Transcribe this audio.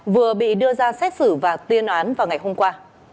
vừa bị đưa ra xét xử và tuyên án vào ngày hôm qua